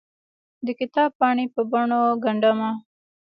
دکتاب پاڼې په بڼو ګنډ مه